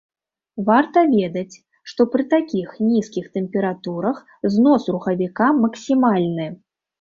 Варта ведаць, што пры такіх нізкіх тэмпературах знос рухавіка максімальны.